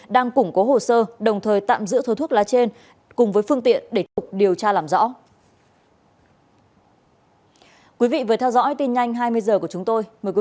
đang củng cố hồ sơ đồng thời tạm giữ số thuốc lá trên cùng với phương tiện để tục điều tra làm rõ